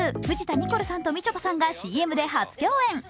ニコルさんとみちょぱさんがＣＭで初共演。